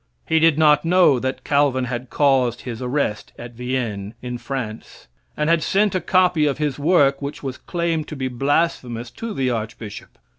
He did not know that Calvin had caused his arrest at Vienne, in France, and had sent a copy of his work, which was claimed to be blasphemous to the archbishop.